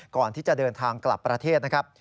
ก่อนที่จะเดินทางกลับประเทศนะครับ